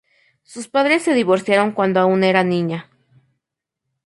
Sus padres se divorciaron cuando aún era niña.